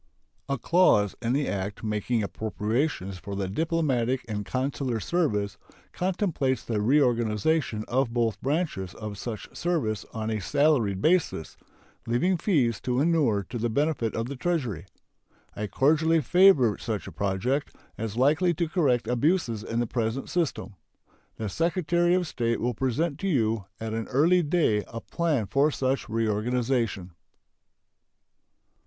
A clause in the act making appropriations for the diplomatic and consular service contemplates the reorganization of both branches of such service on a salaried basis, leaving fees to inure to the benefit of the Treasury. I cordially favor such a project, as likely to correct abuses in the present system. The Secretary of State will present to you at an early day a plan for such reorganization.